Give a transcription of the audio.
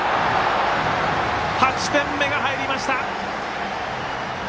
８点目が入りました。